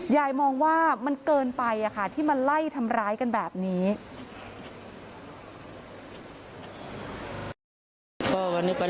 ยายมองว่ามันเกินไปที่มาไล่ทำร้ายกันแบบนี้